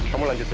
kamu lanjut ya